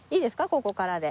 ここからで。